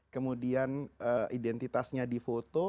kemudian identitasnya di foto